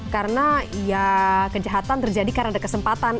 karena ya kejahatan terjadi karena ada kesempatan